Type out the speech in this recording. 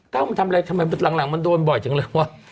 เอามาทำอะไรทำไมหลังมันโดนบ่อยจังเลยวะ